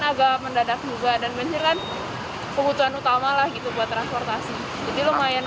juga mendadak juga dan menjelang kebutuhan utamalah gitu buat transportasi jadi lumayan